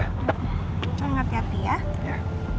kamu berangkat kerja ya